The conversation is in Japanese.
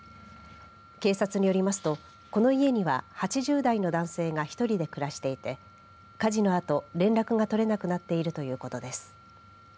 警察によりますとこの家には８０代の男性が１人で暮らしていて火事のあと連絡が取れなくなっているということです。